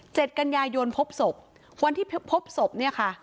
เจ็ดกัญญายยนท์พบศพวันที่พบศพเนี้ยค่ะ